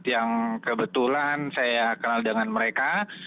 yang kebetulan saya kenal dengan mereka